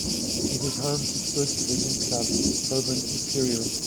It is home to first division club Coban Imperial.